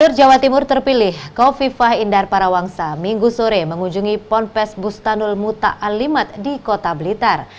gubernur jawa timur terpilih kofifah indar parawangsa minggu sore mengunjungi ponpes bustanul muta alimat di kota blitar